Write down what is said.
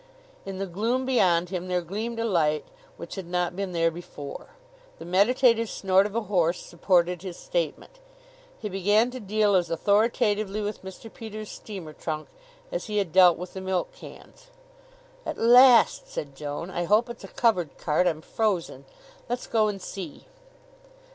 In the gloom beyond him there gleamed a light which had not been there before. The meditative snort of a horse supported his statement. He began to deal as authoritatively with Mr. Peters' steamer trunk as he had dealt with the milk cans. "At last!" said Joan. "I hope it's a covered cart. I'm frozen. Let's go and see."